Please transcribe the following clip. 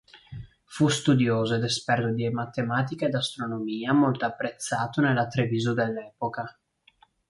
Fu studioso ed esperto di matematica ed astronomia molto apprezzato nella Treviso dell'epoca.